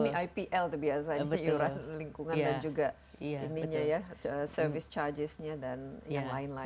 ini ipl tuh biasa ini iuran lingkungan dan juga service chargesnya dan yang lain lain